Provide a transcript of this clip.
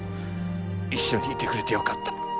一緒にいてくれてよかった。